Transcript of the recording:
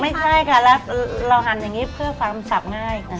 ไม่ใช่ค่ะแล้วเราหั่นอย่างนี้เพื่อความสับง่ายค่ะ